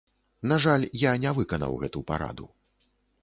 На жаль, я не выканаў гэту параду.